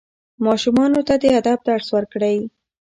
ماشومانو ته د ادب درس ورکړئ.